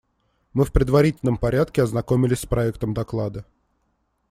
Мы в предварительном порядке ознакомились с проектом доклада.